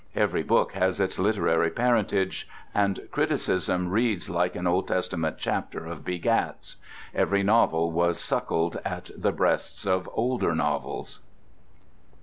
Every book has its literary parentage, and criticism reads like an Old Testament chapter of 'begats.' Every novel was suckled at the breasts of older novels."